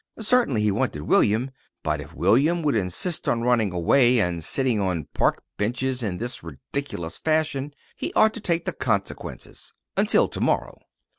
Certainly he wanted William; but if William would insist on running away and sitting on park benches in this ridiculous fashion, he ought to take the consequences until to morrow.